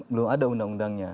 belum ada undang undangnya